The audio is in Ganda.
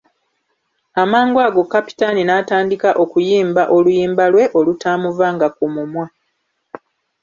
Amangu ago Kapitaani n'atandika okuyimba oluyimba lwe olutaamuvanga ku mumwa.